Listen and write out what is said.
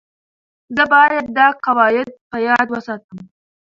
زه باید دا قواعد په یاد وساتم.